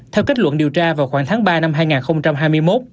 theo kết luận điều tra vào khoảng tháng ba năm hai nghìn hai mươi một